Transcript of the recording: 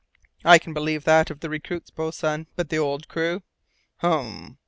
"I can believe that of the recruits, boatswain, but the old crew " "H m!